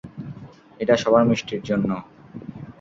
এটা সবার মিষ্টির জন্য।